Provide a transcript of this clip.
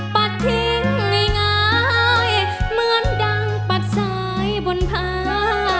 ทิ้งง่ายเหมือนดังปัดสายบนพา